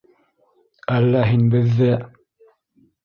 Әллә һин беҙҙе...